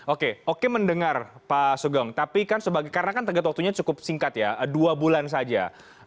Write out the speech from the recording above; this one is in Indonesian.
oke oke mendengar pak sugeng tapi kan karena kan tegak waktunya cukup singkat ya dua bulan saja